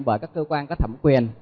bởi các cơ quan có thẩm quyền